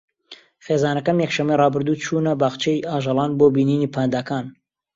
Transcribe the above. خێزانەکەم یەکشەممەی ڕابردوو چوونە باخچەی ئاژەڵان بۆ بینینی پانداکان.